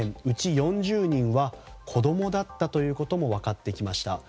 うち４０人は子供だったということも分かってきました。